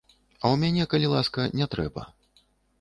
А ў мяне, калі ласка, не трэба.